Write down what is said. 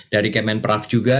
dari kemenpraf juga